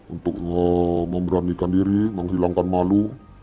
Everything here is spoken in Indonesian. untuk memberanikan diri menghilangkan malu